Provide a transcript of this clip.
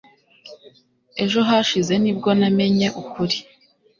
Ejo hashize nibwo namenye ukuri